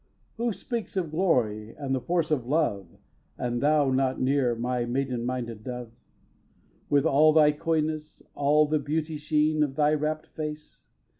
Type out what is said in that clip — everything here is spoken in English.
x. Who speaks of glory and the force of love, And thou not near, my maiden minded dove! With all the coyness, all the beauty sheen, Of thy rapt face?